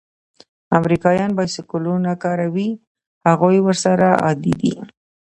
امریکایان بایسکلونه کاروي؟ هغوی ورسره عادي دي.